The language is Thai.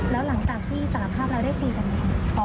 แล้วหลังจากที่สารภาพแล้วได้คุยกันไหม